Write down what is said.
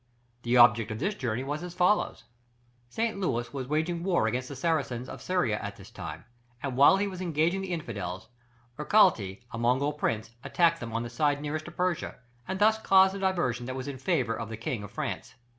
The object of this journey was as follows, St. Louis was waging war against the Saracens of Syria at this time, and while he was engaging the Infidels, Erkalty, a Mongol prince, attacked them on the side nearest to Persia, and thus caused a diversion that was in favour of the King of France.